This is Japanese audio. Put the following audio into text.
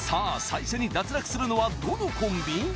最初に脱落するのはどのコンビ？